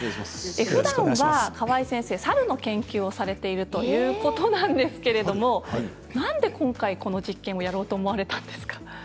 ふだんは川合先生、猿の研究をされているということなんですけれどもなんで今回、この実験をやろうと思われたんですか。